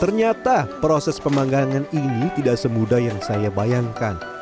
ternyata proses pemanggangan ini tidak semudah yang saya bayangkan